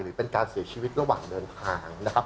หรือเป็นการเสียชีวิตระหว่างเดินทางนะครับ